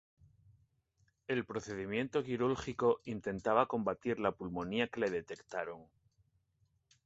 El procedimiento quirúrgico intentaba combatir la pulmonía que le detectaron.